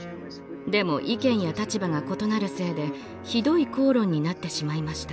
でも意見や立場が異なるせいでひどい口論になってしまいました。